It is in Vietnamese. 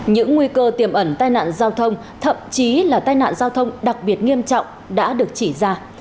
những nguy cơ tiềm ẩn tai nạn giao thông thậm chí là tai nạn giao thông đặc biệt nghiêm trọng đã được chỉ ra